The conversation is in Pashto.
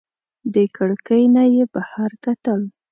له کړکۍ نه یې بهر کتل.